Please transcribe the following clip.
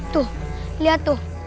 tuh liat tuh